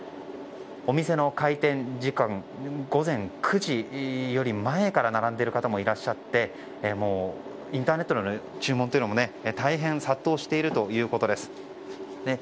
お店の開店時間午前９時より前から並んでいる方もいらっしゃってインターネットの注文も大変殺到しているということです。